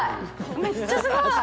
めっちゃスゴい！）